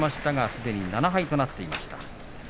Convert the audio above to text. すでに７敗となっていました。